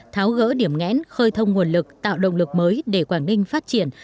tháo gỡ điểm ngẽn khơi thông nguồn lực tạo động lực mới để quảng ninh phát triển